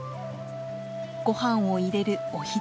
ごはんを入れるおひつ